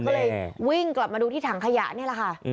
ก็เลยวิ่งกลับมาดูที่ถังขยะนี่แหละค่ะ